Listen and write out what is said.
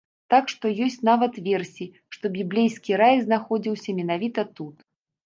Так што ёсць нават версіі, што біблейскі рай знаходзіўся менавіта тут.